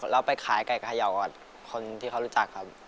เราไปขายไก่เขย่ากับคนที่เขารู้จักครับ